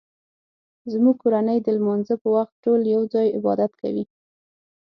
زموږ کورنۍ د لمانځه په وخت ټول یو ځای عبادت کوي